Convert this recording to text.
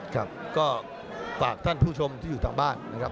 ครับก็ฝากท่านผู้ชมที่อยู่ทางบ้านนะครับ